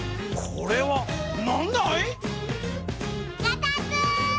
これはなんだい？